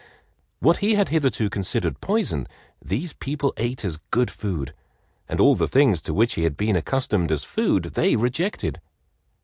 What he had hitherto considered poison these people ate as good food, and all the things to which he had been accustomed as food they rejected.